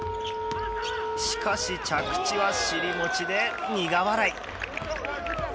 しかし、着地は尻餅で苦笑い。